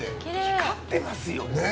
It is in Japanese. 光ってますね。